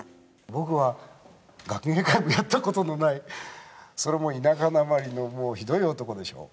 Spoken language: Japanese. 僕は、学芸会もやったこともない、それも田舎なまりの、もうひどい男でしょう。